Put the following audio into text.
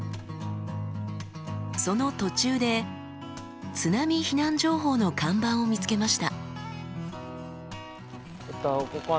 その途中で津波避難情報の看板を見つけました。